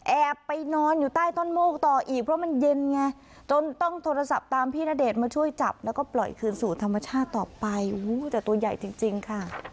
แอบไปนอนอยู่ใต้ต้นโมกต่ออีก